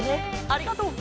ありがとう！